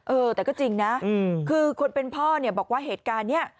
เออแต่ก็จริงนะคือคนเป็นพ่อเนี่ยบอกว่าเหตุการณ์นี้